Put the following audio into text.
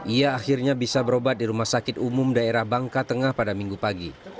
ia akhirnya bisa berobat di rumah sakit umum daerah bangka tengah pada minggu pagi